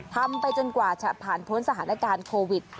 ทำไปจนกว่าจะผ่านพ้นสถานการณ์โควิด